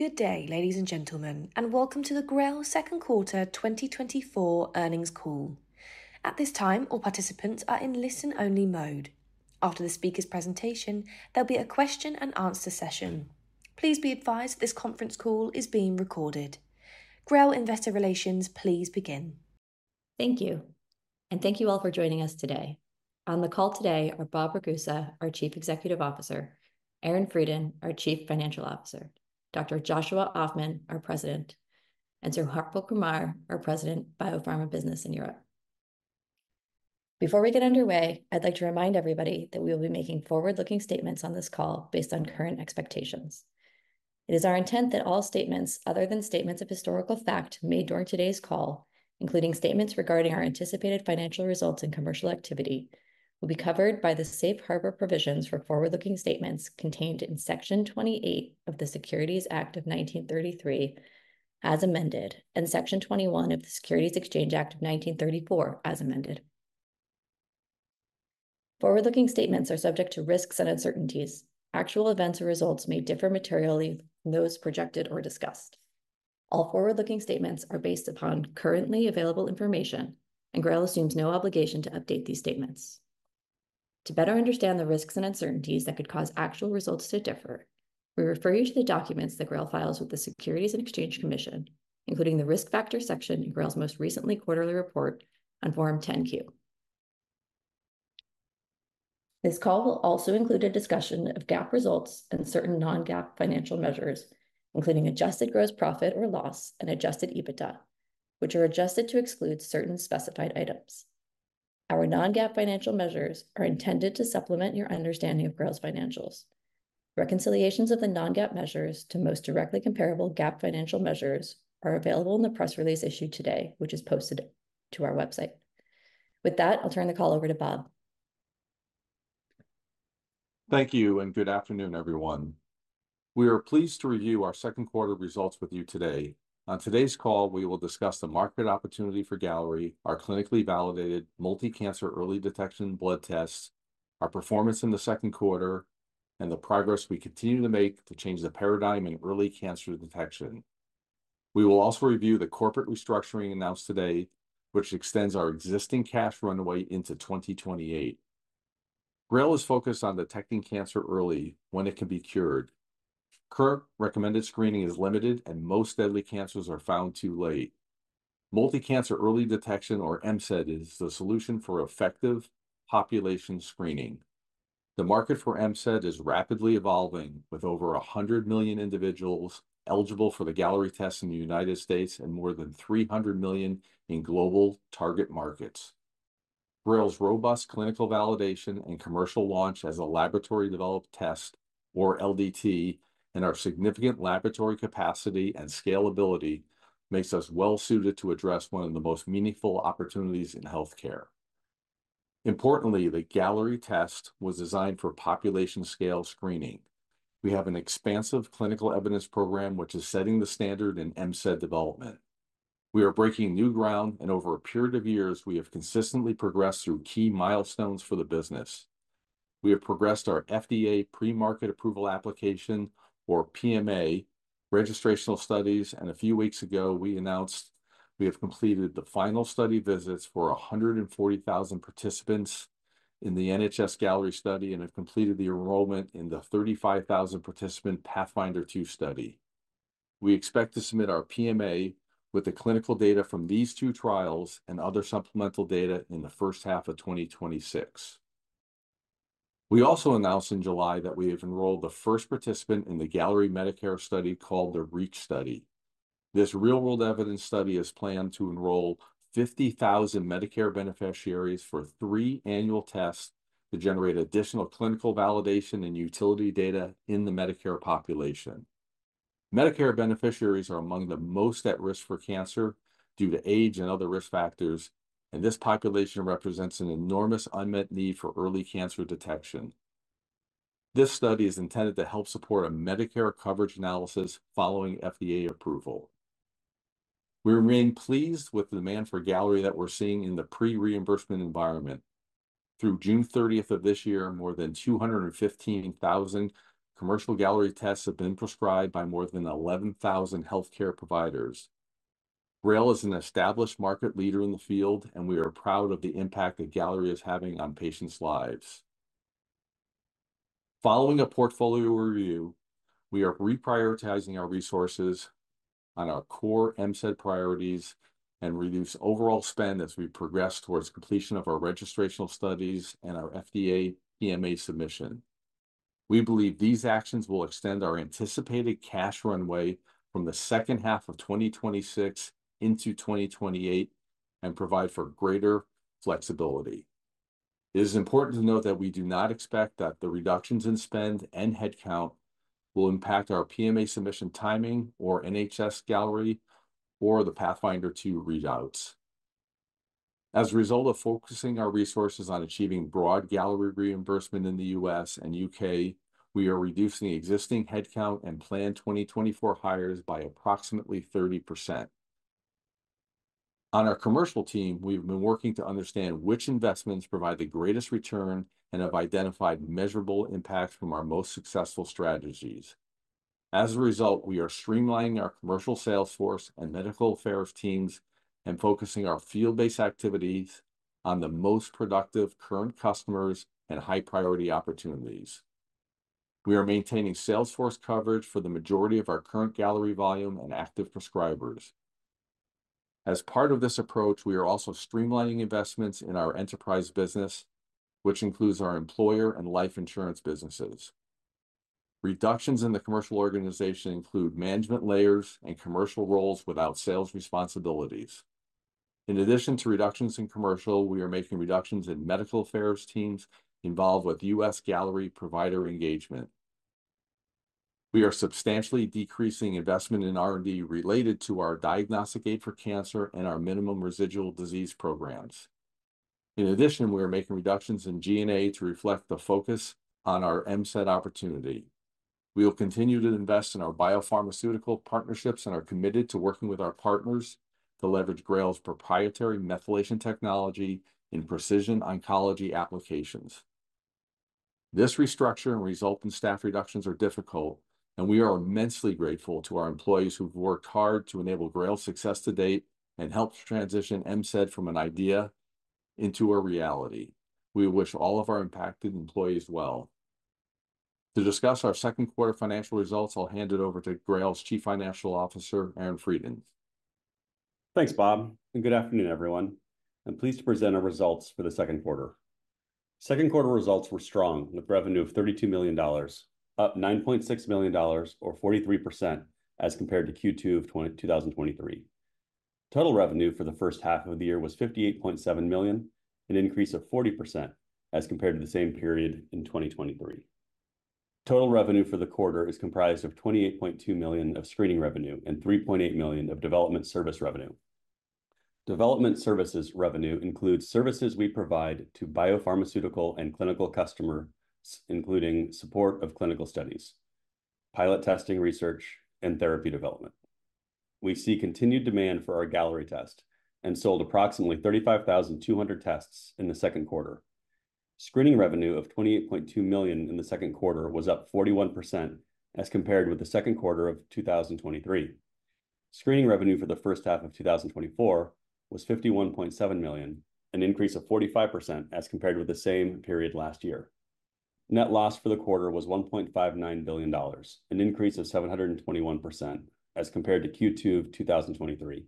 Good day, ladies and gentlemen, and welcome to the GRAIL Q2 2024 Earnings Call. At this time, all participants are in listen-only mode. After the speaker's presentation, there'll be a question and answer session. Please be advised this conference call is being recorded. GRAIL Investor Relations, please begin. Thank you, and thank you all for joining us today. On the call today are Bob Ragusa, our Chief Executive Officer; Aaron Freidin, our Chief Financial Officer; Dr. Joshua Ofman, our President; and Harpal Kumar, our President, Biopharma Business in Europe. Before we get underway, I'd like to remind everybody that we will be making forward-looking statements on this call based on current expectations. It is our intent that all statements, other than statements of historical fact made during today's call, including statements regarding our anticipated financial results and commercial activity, will be covered by the safe harbor provisions for forward-looking statements contained in Section 28 of the Securities Act of 1933, as amended, and Section 21 of the Securities Exchange Act of 1934, as amended. Forward-looking statements are subject to risks and uncertainties. Actual events or results may differ materially from those projected or discussed. All forward-looking statements are based upon currently available information, and GRAIL assumes no obligation to update these statements. To better understand the risks and uncertainties that could cause actual results to differ, we refer you to the documents that GRAIL files with the Securities and Exchange Commission, including the Risk Factors section in GRAIL's most recent quarterly report on Form 10-Q. This call will also include a discussion of GAAP results and certain non-GAAP financial measures, including adjusted gross profit or loss and adjusted EBITDA, which are adjusted to exclude certain specified items. Our non-GAAP financial measures are intended to supplement your understanding of GRAIL's financials. Reconciliations of the non-GAAP measures to most directly comparable GAAP financial measures are available in the press release issued today, which is posted to our website. With that, I'll turn the call over to Bob. Thank you, and good afternoon, everyone. We are pleased to review our second quarter results with you today. On today's call, we will discuss the market opportunity for Galleri, our clinically validated multi-cancer early detection blood test, our performance in the second quarter, and the progress we continue to make to change the paradigm in early cancer detection. We will also review the corporate restructuring announced today, which extends our existing cash runway into 2028. GRAIL is focused on detecting cancer early when it can be cured. Current recommended screening is limited, and most deadly cancers are found too late. Multi-cancer early detection, or MCED, is the solution for effective population screening. The market for MCED is rapidly evolving, with over 100 million individuals eligible for the Galleri test in the United States and more than 300 million in global target markets. GRAIL's robust clinical validation and commercial launch as a Laboratory Developed Test, or LDT, and our significant laboratory capacity and scalability makes us well-suited to address one of the most meaningful opportunities in healthcare. Importantly, the Galleri test was designed for population-scale screening. We have an expansive clinical evidence program, which is setting the standard in MCED development. We are breaking new ground, and over a period of years, we have consistently progressed through key milestones for the business. We have progressed our FDA Premarket Approval application, or PMA, registrational studies, and a few weeks ago, we announced we have completed the final study visits for 140,000 participants in the NHS-Galleri study and have completed the enrollment in the 35,000-participant PATHFINDER 2 study. We expect to submit our PMA with the clinical data from these two trials and other supplemental data in the first half of 2026. We also announced in July that we have enrolled the first participant in the Galleri Medicare study, called the REACH study. This real-world evidence study is planned to enroll 50,000 Medicare beneficiaries for three annual tests to generate additional clinical validation and utility data in the Medicare population. Medicare beneficiaries are among the most at risk for cancer due to age and other risk factors, and this population represents an enormous unmet need for early cancer detection. This study is intended to help support a Medicare coverage analysis following FDA approval. We remain pleased with demand for Galleri that we're seeing in the pre-reimbursement environment. Through June 30th of this year, more than 215,000 commercial Galleri tests have been prescribed by more than 11,000 healthcare providers. GRAIL is an established market leader in the field, and we are proud of the impact that Galleri is having on patients' lives. Following a portfolio review, we are reprioritizing our resources on our core MCED priorities and reduce overall spend as we progress towards completion of our registrational studies and our FDA PMA submission. We believe these actions will extend our anticipated cash runway from the second half of 2026 into 2028 and provide for greater flexibility. It is important to note that we do not expect that the reductions in spend and headcount will impact our PMA submission timing or NHS-Galleri or the PATHFINDER 2 readouts. As a result of focusing our resources on achieving broad Galleri reimbursement in the U.S. and U.K., we are reducing existing headcount and planned 2024 hires by approximately 30%.... On our commercial team, we've been working to understand which investments provide the greatest return and have identified measurable impacts from our most successful strategies. As a result, we are streamlining our commercial sales force and medical affairs teams and focusing our field-based activities on the most productive current customers and high-priority opportunities. We are maintaining sales force coverage for the majority of our current Galleri volume and active prescribers. As part of this approach, we are also streamlining investments in our enterprise business, which includes our employer and life insurance businesses. Reductions in the commercial organization include management layers and commercial roles without sales responsibilities. In addition to reductions in commercial, we are making reductions in medical affairs teams involved with US Galleri provider engagement. We are substantially decreasing investment in R&D related to our diagnostic aid for cancer and our minimum residual disease programs. In addition, we are making reductions in G&A to reflect the focus on our MCED opportunity. We will continue to invest in our biopharmaceutical partnerships and are committed to working with our partners to leverage GRAIL's proprietary methylation technology in precision oncology applications. This restructure and resultant staff reductions are difficult, and we are immensely grateful to our employees who've worked hard to enable GRAIL's success to date and helped transition MCED from an idea into a reality. We wish all of our impacted employees well. To discuss our second quarter financial results, I'll hand it over to GRAIL's Chief Financial Officer, Aaron Freidin. Thanks, Bob, and good afternoon, everyone. I'm pleased to present our results for the second quarter. Second quarter results were strong, with revenue of $32 million, up $9.6 million, or 43% as compared to Q2 of 2023. Total revenue for the first half of the year was $58.7 million, an increase of 40% as compared to the same period in 2023. Total revenue for the quarter is comprised of $28.2 million of screening revenue and $3.8 million of development service revenue. Development services revenue includes services we provide to biopharmaceutical and clinical customers, including support of clinical studies, pilot testing research, and therapy development. We see continued demand for our Galleri test and sold approximately 35,200 tests in the second quarter. Screening revenue of $28.2 million in the second quarter was up 41% as compared with the second quarter of 2023. Screening revenue for the first half of 2024 was $51.7 million, an increase of 45% as compared with the same period last year. Net loss for the quarter was $1.59 billion, an increase of 721% as compared to Q2 of 2023.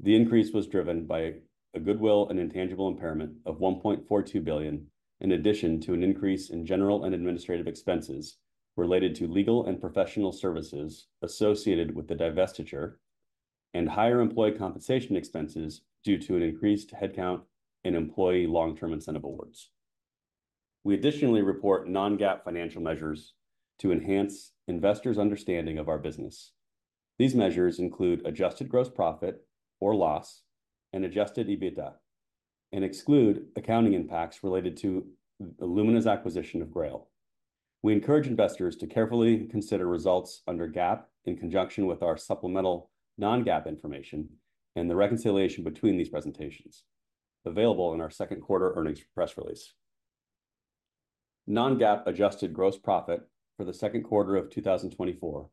The increase was driven by a goodwill and intangible impairment of $1.42 billion, in addition to an increase in general and administrative expenses related to legal and professional services associated with the divestiture and higher employee compensation expenses due to an increased headcount in employee long-term incentive awards. We additionally report non-GAAP financial measures to enhance investors' understanding of our business. These measures include adjusted gross profit or loss and adjusted EBITDA, and exclude accounting impacts related to the Illumina's acquisition of GRAIL. We encourage investors to carefully consider results under GAAP in conjunction with our supplemental non-GAAP information and the reconciliation between these presentations, available in our second quarter earnings press release. Non-GAAP adjusted gross profit for the second quarter of 2024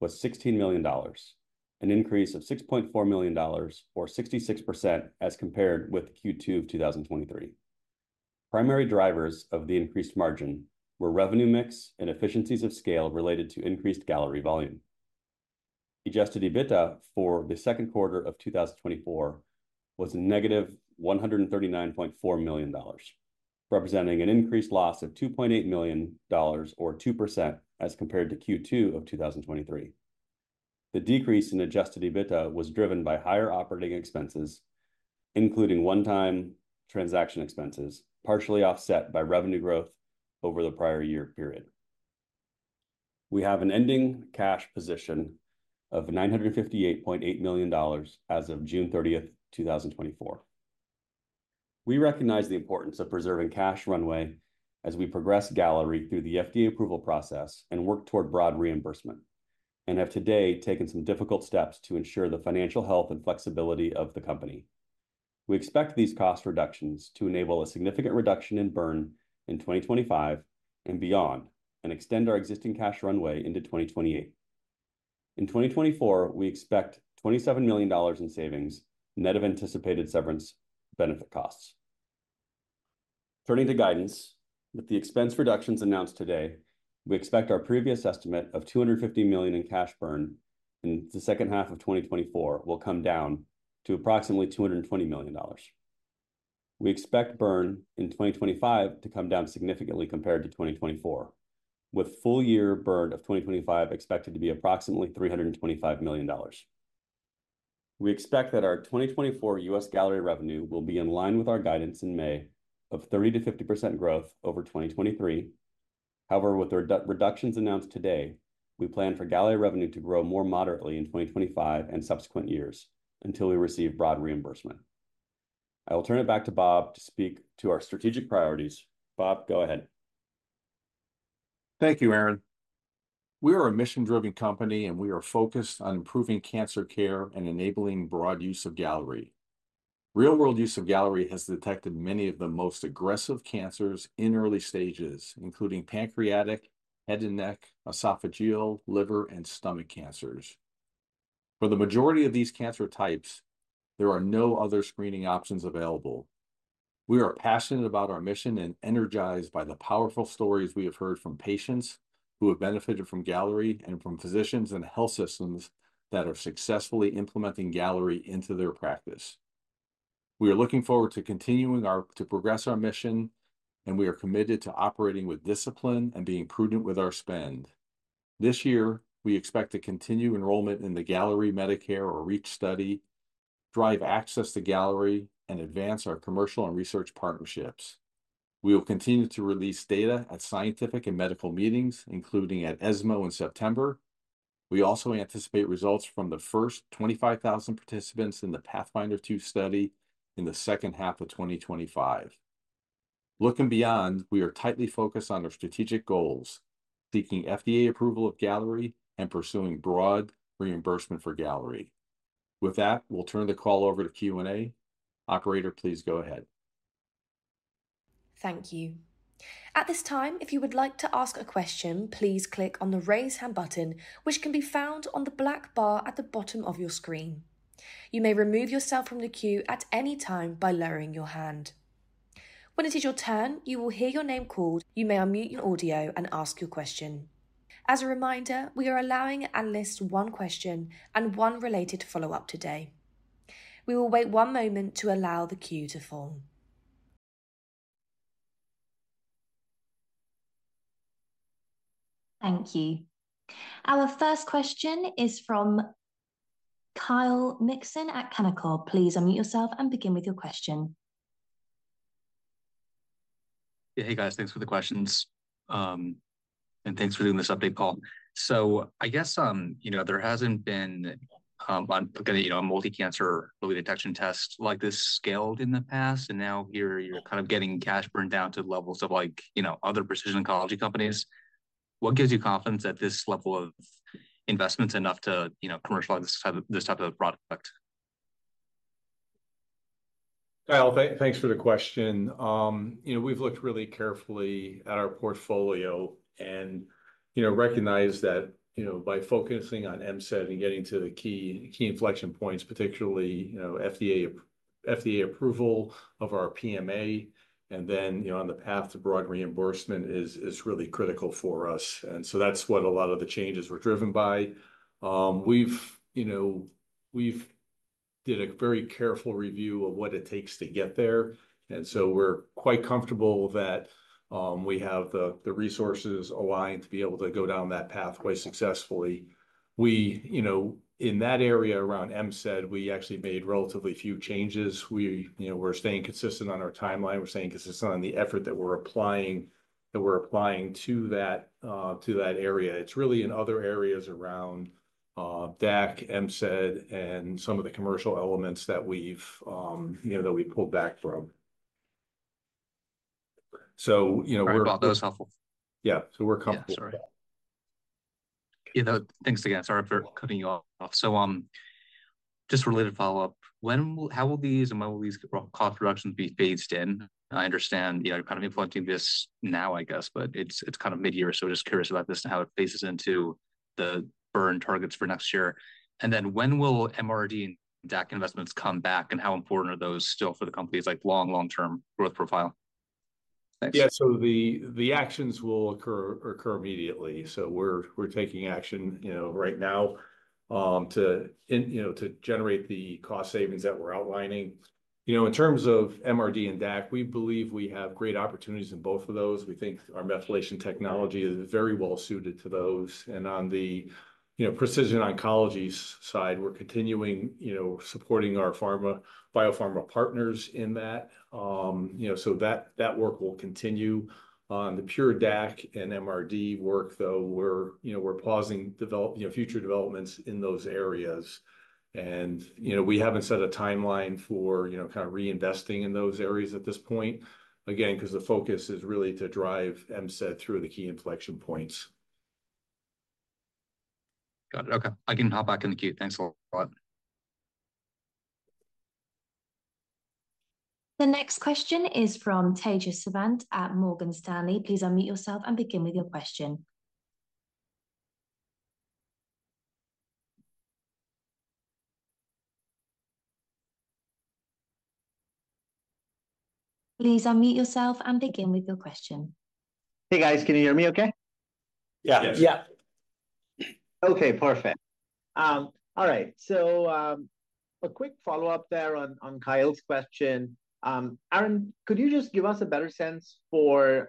was $16 million, an increase of $6.4 million, or 66%, as compared with Q2 of 2023. Primary drivers of the increased margin were revenue mix and efficiencies of scale related to increased Galleri volume. Adjusted EBITDA for the second quarter of 2024 was -$139.4 million, representing an increased loss of $2.8 million, or 2%, as compared to Q2 of 2023. The decrease in Adjusted EBITDA was driven by higher operating expenses, including one-time transaction expenses, partially offset by revenue growth over the prior year period. We have an ending cash position of $958.8 million as of June 30, 2024. We recognize the importance of preserving cash runway as we progress Galleri through the FDA approval process and work toward broad reimbursement and have today taken some difficult steps to ensure the financial health and flexibility of the company. We expect these cost reductions to enable a significant reduction in burn in 2025 and beyond, and extend our existing cash runway into 2028. In 2024, we expect $27 million in savings, net of anticipated severance benefit costs. Turning to guidance, with the expense reductions announced today, we expect our previous estimate of $250 million in cash burn in the second half of 2024 will come down to approximately $220 million. We expect burn in 2025 to come down significantly compared to 2024, with full year burn of 2025 expected to be approximately $325 million. We expect that our 2024 US Galleri revenue will be in line with our guidance in May of 30%-50% growth over 2023. However, with the reductions announced today, we plan for Galleri revenue to grow more moderately in 2025 and subsequent years until we receive broad reimbursement. I will turn it back to Bob to speak to our strategic priorities. Bob, go ahead.... Thank you, Aaron. We are a mission-driven company, and we are focused on improving cancer care and enabling broad use of Galleri. Real-world use of Galleri has detected many of the most aggressive cancers in early stages, including pancreatic, head and neck, esophageal, liver, and stomach cancers. For the majority of these cancer types, there are no other screening options available. We are passionate about our mission and energized by the powerful stories we have heard from patients who have benefited from Galleri and from physicians and health systems that are successfully implementing Galleri into their practice. We are looking forward to continuing to progress our mission, and we are committed to operating with discipline and being prudent with our spend. This year, we expect to continue enrollment in the Galleri Medicare or REACH study, drive access to Galleri, and advance our commercial and research partnerships. We will continue to release data at scientific and medical meetings, including at ESMO in September. We also anticipate results from the first 25,000 participants in the PATHFINDER 2 study in the second half of 2025. Looking beyond, we are tightly focused on our strategic goals: seeking FDA approval of Galleri and pursuing broad reimbursement for Galleri. With that, we'll turn the call over to Q&A. Operator, please go ahead. Thank you. At this time, if you would like to ask a question, please click on the Raise Hand button, which can be found on the black bar at the bottom of your screen. You may remove yourself from the queue at any time by lowering your hand. When it is your turn, you will hear your name called. You may unmute your audio and ask your question. As a reminder, we are allowing analysts one question and one related follow-up today. We will wait one moment to allow the queue to form. Thank you. Our first question is from Kyle Mikson at Canaccord. Please unmute yourself and begin with your question. Hey, guys. Thanks for the questions, and thanks for doing this update call. So I guess, you know, there hasn't been, you know, a Multi-Cancer Early Detection test like this scaled in the past, and now here you're kind of getting cash burn down to levels of like, you know, other precision oncology companies. What gives you confidence that this level of investment's enough to, you know, commercialize this type of, this type of product? Kyle, thanks for the question. You know, we've looked really carefully at our portfolio and, you know, recognized that, you know, by focusing on MCED and getting to the key inflection points, particularly, you know, FDA approval of our PMA, and then, you know, on the path to broad reimbursement is really critical for us. And so that's what a lot of the changes were driven by. You know, we've did a very careful review of what it takes to get there, and so we're quite comfortable that we have the resources aligned to be able to go down that pathway successfully. You know, in that area around MCED, we actually made relatively few changes. You know, we're staying consistent on our timeline. We're staying consistent on the effort that we're applying, that we're applying to that, to that area. It's really in other areas around DAC, MCED, and some of the commercial elements that we've, you know, that we pulled back from. So, you know, we're- All right. Well, that's helpful. Yeah. So we're comfortable. Yeah, sorry. You know, thanks again. Sorry for cutting you off. So, just a related follow-up: when will... How will these and when will these cost reductions be phased in? I understand, you know, you're kind of implementing this now, I guess, but it's kind of mid-year, so just curious about this and how it phases into the burn targets for next year. And then, when will MRD and DAC investments come back, and how important are those still for the company's, like, long-term growth profile? Thanks. Yeah, so the actions will occur immediately, so we're taking action, you know, right now, to generate the cost savings that we're outlining. You know, in terms of MRD and DAC, we believe we have great opportunities in both of those. We think our methylation technology is very well-suited to those. And on the, you know, precision oncology side, we're continuing, you know, supporting our biopharma partners in that. You know, so that work will continue. On the pure DAC and MRD work, though, we're pausing future developments in those areas. And, you know, we haven't set a timeline for, you know, kind of reinvesting in those areas at this point, again, 'cause the focus is really to drive MCED through the key inflection points. Got it. Okay. I can hop back in the queue. Thanks a lot. The next question is from Tejas Savant at Morgan Stanley. Please unmute yourself and begin with your question. Please unmute yourself and begin with your question. Hey, guys. Can you hear me okay? Yeah. Yes. Yeah. Okay, perfect. All right, so a quick follow-up there on Kyle's question. Aaron, could you just give us a better sense for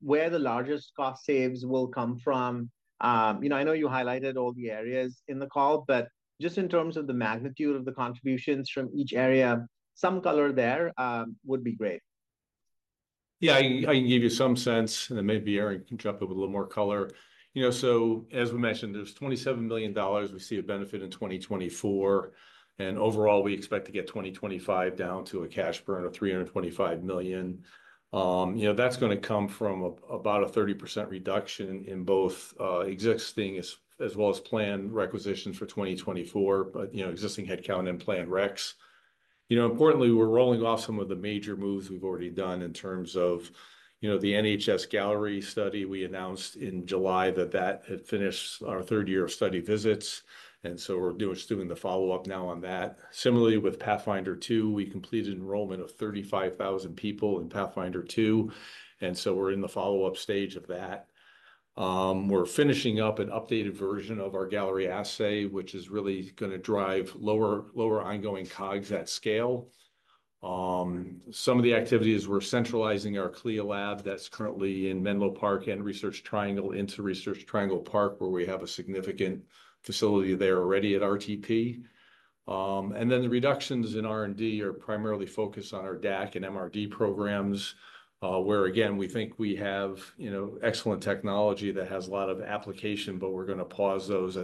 where the largest cost saves will come from? You know, I know you highlighted all the areas in the call, but just in terms of the magnitude of the contributions from each area, some color there would be great.... Yeah, I can give you some sense, and then maybe Aaron can jump in with a little more color. You know, so as we mentioned, there's $27 million we see a benefit in 2024, and overall, we expect to get 2025 down to a cash burn of $325 million. You know, that's gonna come from about a 30% reduction in both existing as well as planned requisitions for 2024, but, you know, existing headcount and planned reqs. You know, importantly, we're rolling off some of the major moves we've already done in terms of, you know, the NHS Galleri study we announced in July that had finished our third year of study visits, and so we're doing, just doing the follow-up now on that. Similarly, with PATHFINDER 2, we completed enrollment of 35,000 people in PATHFINDER 2, and so we're in the follow-up stage of that. We're finishing up an updated version of our Galleri assay, which is really gonna drive lower, lower ongoing COGS at scale. Some of the activities, we're centralizing our CLIA lab that's currently in Menlo Park and Research Triangle into Research Triangle Park, where we have a significant facility there already at RTP. And then the reductions in R&D are primarily focused on our DAC and MRD programs, where again, we think we have, you know, excellent technology that has a lot of application, but we're gonna pause those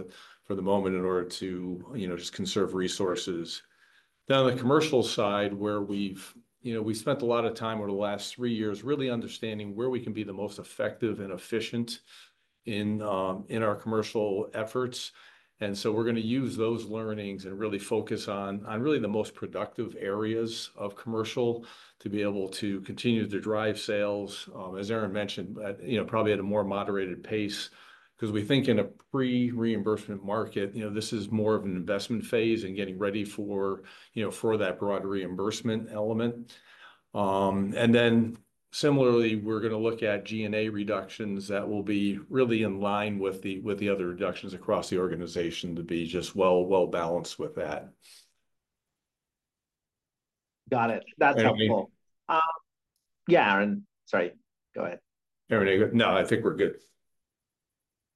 for the moment in order to, you know, just conserve resources. Then on the commercial side, where we've... You know, we spent a lot of time over the last three years really understanding where we can be the most effective and efficient in our commercial efforts, and so we're gonna use those learnings and really focus on really the most productive areas of commercial to be able to continue to drive sales. As Aaron mentioned, you know, probably at a more moderated pace, 'cause we think in a pre-reimbursement market, you know, this is more of an investment phase and getting ready for, you know, for that broader reimbursement element. And then similarly, we're gonna look at G&A reductions that will be really in line with the other reductions across the organization to be just well, well-balanced with that. Got it. That's helpful. Anything- Yeah, Aaron. Sorry, go ahead. Everything good? No, I think we're good.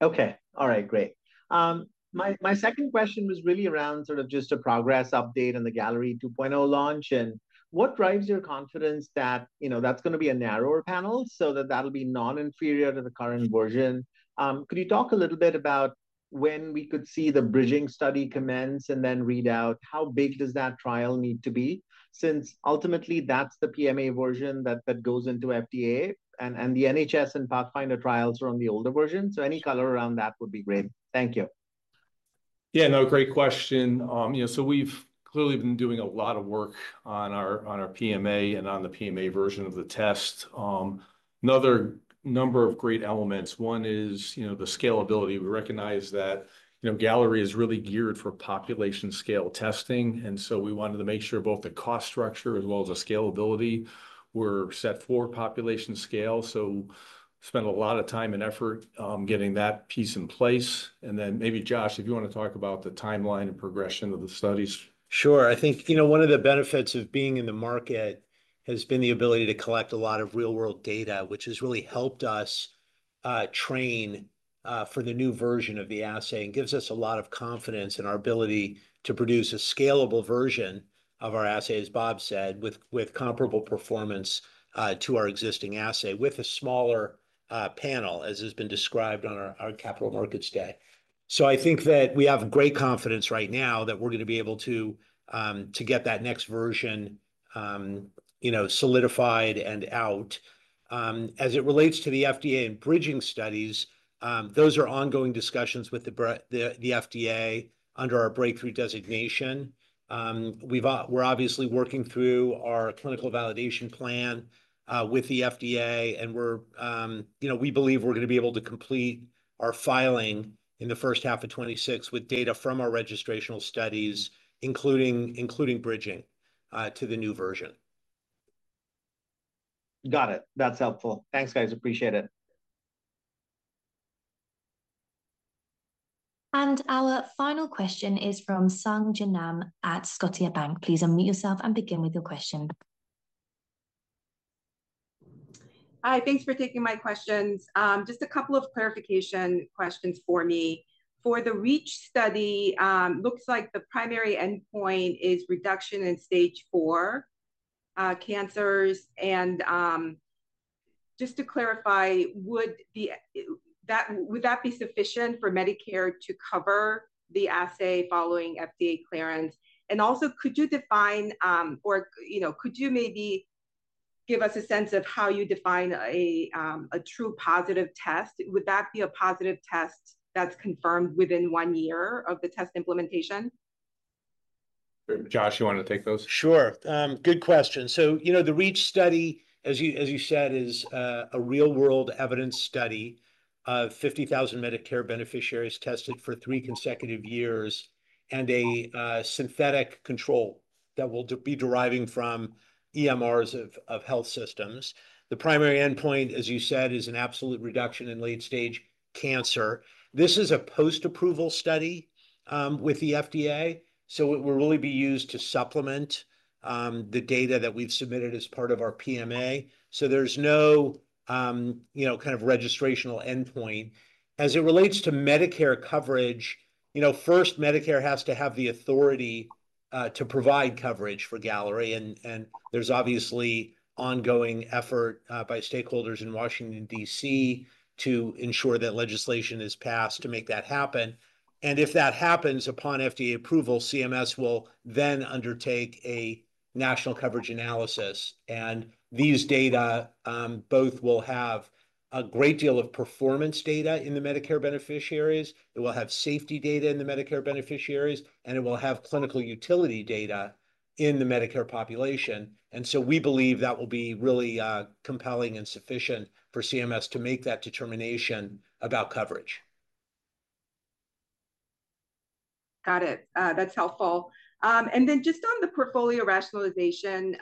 Okay. All right, great. My second question was really around sort of just a progress update on the Galleri 2.0 launch, and what drives your confidence that, you know, that's gonna be a narrower panel, so that that'll be non-inferior to the current version? Could you talk a little bit about when we could see the bridging study commence and then read out? How big does that trial need to be, since ultimately, that's the PMA version that goes into FDA, and the NHS and Pathfinder trials are on the older version, so any color around that would be great. Thank you. Yeah, no, great question. You know, so we've clearly been doing a lot of work on our, on our PMA and on the PMA version of the test. Another number of great elements, one is, you know, the scalability. We recognize that, you know, Galleri is really geared for population scale testing, and so we wanted to make sure both the cost structure as well as the scalability were set for population scale, so spent a lot of time and effort getting that piece in place. And then maybe Josh, if you wanna talk about the timeline and progression of the studies. Sure. I think, you know, one of the benefits of being in the market has been the ability to collect a lot of real-world data, which has really helped us train for the new version of the assay, and gives us a lot of confidence in our ability to produce a scalable version of our assay, as Bob said, with comparable performance to our existing assay, with a smaller panel, as has been described on our Capital Markets Day. So I think that we have great confidence right now that we're gonna be able to get that next version, you know, solidified and out. As it relates to the FDA and bridging studies, those are ongoing discussions with the FDA under our Breakthrough Designation. We're obviously working through our clinical validation plan with the FDA, and you know, we believe we're gonna be able to complete our filing in the first half of 2026 with data from our registrational studies, including bridging to the new version. Got it. That's helpful. Thanks, guys, appreciate it. Our final question is from Sung Ji Nam at Scotiabank. Please unmute yourself and begin with your question. Hi, thanks for taking my questions. Just a couple of clarification questions for me. For the REACH study, looks like the primary endpoint is reduction in stage four cancers and, just to clarify, would that be sufficient for Medicare to cover the assay following FDA clearance? And also, could you define, or, you know, could you maybe give us a sense of how you define a true positive test? Would that be a positive test that's confirmed within one year of the test implementation? Josh, you wanna take those? Sure. Good question. So, you know, the REACH study, as you said, is a real-world evidence study of 50,000 Medicare beneficiaries tested for three consecutive years, and a synthetic control that we'll be deriving from EMRs of health systems. The primary endpoint, as you said, is an absolute reduction in late-stage cancer. This is a post-approval study with the FDA, so it will really be used to supplement the data that we've submitted as part of our PMA. So there's no, you know, kind of registrational endpoint. As it relates to Medicare coverage, you know, first, Medicare has to have the authority to provide coverage for Galleri, and there's obviously ongoing effort by stakeholders in Washington, D.C., to ensure that legislation is passed to make that happen. If that happens, upon FDA approval, CMS will then undertake a national coverage analysis, and these data both will have a great deal of performance data in the Medicare beneficiaries. It will have safety data in the Medicare beneficiaries, and it will have clinical utility data in the Medicare population. So we believe that will be really compelling and sufficient for CMS to make that determination about coverage. Got it. That's helpful. And then just on the portfolio rationalization,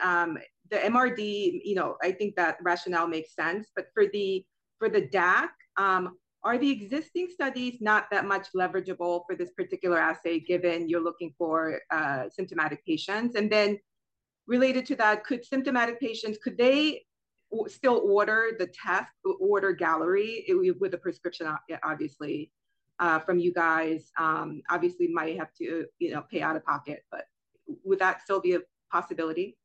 the MRD, you know, I think that rationale makes sense. But for the DAC, are the existing studies not that much leverageable for this particular assay, given you're looking for symptomatic patients? And then related to that, could symptomatic patients, could they still order the test, order Galleri with a prescription, obviously from you guys? Obviously might have to, you know, pay out-of-pocket, but would that still be a possibility?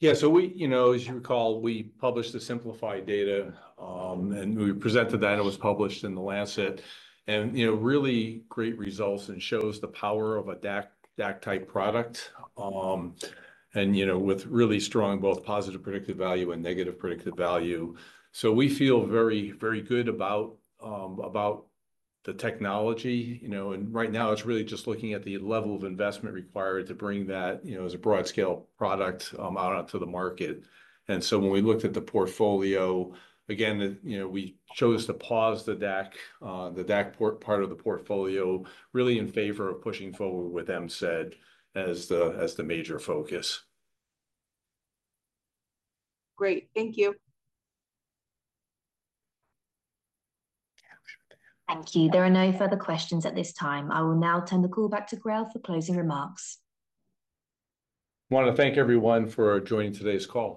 Yeah, so we, you know, as you recall, we published the SYMPLIFY data, and we presented that, it was published in The Lancet, and, you know, really great results and shows the power of a DAC, DAC-type product. And, you know, with really strong both positive predictive value and negative predictive value. So we feel very, very good about, about the technology, you know, and right now it's really just looking at the level of investment required to bring that, you know, as a broad-scale product, out onto the market. And so when we looked at the portfolio, again, the, you know, we chose to pause the DAC, the DAC part of the portfolio, really in favor of pushing forward with MCED as the, as the major focus. Great. Thank you. Thank you. There are no further questions at this time. I will now turn the call back to GRAIL for closing remarks. I wanna thank everyone for joining today's call.